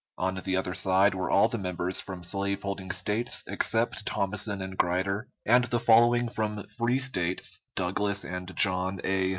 On the other side were all the members from slave holding States, except Thomasson and Grider, and the following from free States, Douglas and John A.